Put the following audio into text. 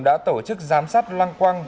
đã tổ chức giám sát lăng quăng